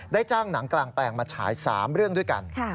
จ้างหนังกลางแปลงมาฉาย๓เรื่องด้วยกัน